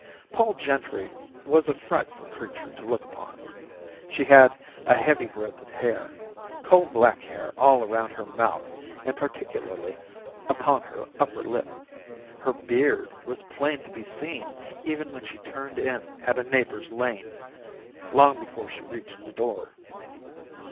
Pol Gentry was a frightful creature to look upon. She had a heavy growth of hair, coal black hair all around her mouth and particularly upon her upper lip. Her beard was plain to be seen even when she turned in at a neighbor's lane, long before she reached the door.